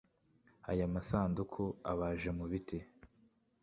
Aya masanduku abaje mu biti